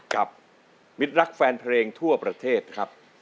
มิตรรักแฟนเพลงทั่วประเทศครับ